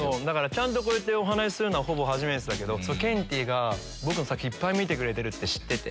ちゃんとこうやってお話するのはほぼ初めてだけどケンティーが僕の作品いっぱい見てくれてるって知ってて。